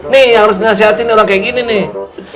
nih yang harus dinasihatin orang kayak gini nih